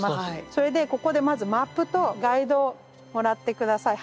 それでここでまずマップとガイドをもらって下さい。